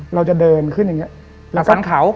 เราจะเดินขึ้นอย่างนี้เราฟันเขา